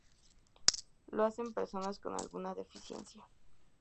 Lo hacen personas con alguna deficiencia.